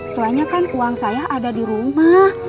soalnya kan uang saya ada di rumah